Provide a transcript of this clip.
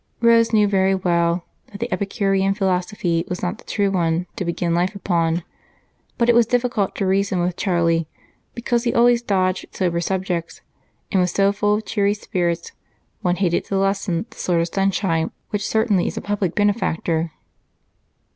Rose knew very well that the Epicurean philosophy was not the true one to begin life upon, but it was difficult to reason with Charlie because he always dodged sober subjects and was so full of cheery spirits, one hated to lessen the sort of sunshine which certainly is a public benefactor.